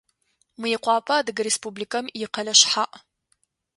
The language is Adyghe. Мыекъуапэ Адыгэ Республикэм икъэлэ шъхьаӏ.